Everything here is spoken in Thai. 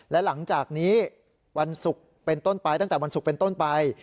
และหลังจากนี้วันศุกร์เป็นต้นไปตั้งแต่วันศุกร์เป็นต้นไป